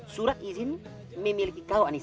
surat izin memiliki kau anis